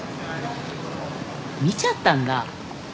見ちゃったんだ。